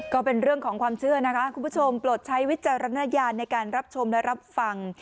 ก็เป็นเรื่องของความเชื่อนะคะคุณผู้ชมโปรดใช้วิจารณญาณในการรับชมและรับฟัง